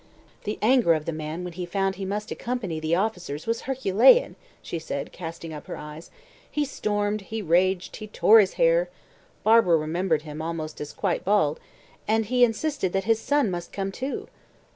"The anger of the man when he found he must accompany the officers was herculean," she said, casting up her eyes; "he stormed, he raged, he tore his hair" (Barbara remembered him as almost quite bald!), "he insisted that his son must come too."